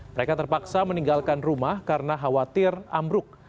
mereka terpaksa meninggalkan rumah karena khawatir ambruk